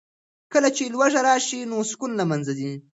کله چې لوږه راشي نو سکون له منځه ځي.